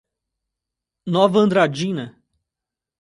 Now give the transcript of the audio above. Nova Andradina